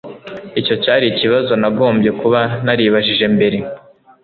Icyo cyari ikibazo nagombye kuba naribajije mbere